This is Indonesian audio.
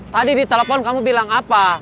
tadi di telepon kamu bilang apa